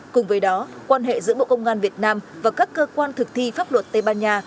cùng với đó quan hệ giữa bộ công an việt nam và các cơ quan thực thi pháp luật tây ban nha